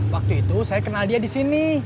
waktu itu saya kenal dia disini